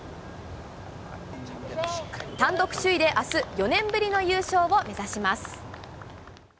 単独首位であす、４年ぶりの優勝を目指します。